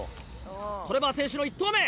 トレバー選手の１投目！